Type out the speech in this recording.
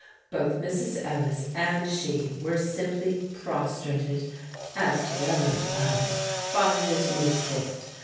Both Mrs. Ellis and she were simply prostrated (as to their mental powers) by this new sport.